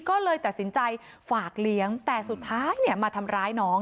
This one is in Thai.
ก็เลยตัดสินใจฝากเลี้ยงแต่สุดท้ายมาทำร้ายน้อง